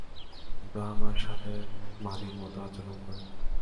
কিন্তু আমার সাথে মালির মতো আচরণ করে।